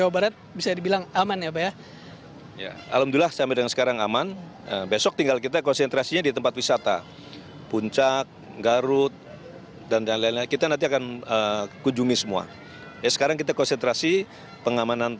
bagaimana dengan kota bandung